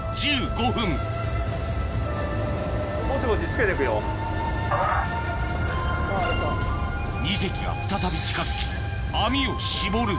１５分２隻が再び近づき網を絞る